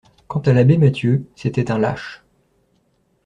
Quant à l'abbé Mathieu, c'était un lâche.